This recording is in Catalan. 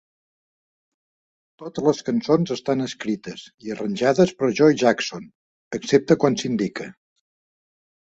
Totes les cançons estan escrites i arranjades per Joe Jackson, excepte quan s'indica.